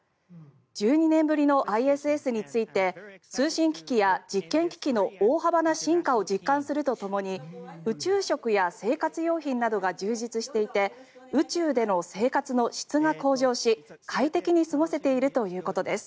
１２年ぶりのＩＳＳについて通信機器や実験機器の大幅な進化を実感するとともに宇宙食や生活用品などが充実していて宇宙での生活の質が向上し快適に過ごせているということです。